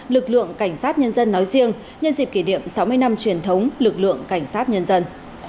lực lượng cảnh sát nhân dân nói riêng nhân dịp kỷ niệm sáu mươi năm truyền thống lực lượng cảnh sát nhân dân